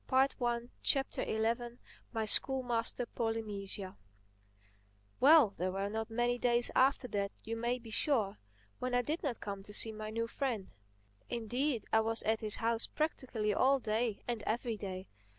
THE ELEVENTH CHAPTER MY SCHOOLMASTER, POLYNESIA WELL, there were not many days after that, you may be sure, when I did not come to see my new friend. Indeed I was at his house practically all day and every day.